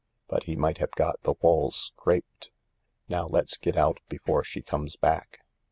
But he might have got the walls scraped. Now let's get out before she comes back.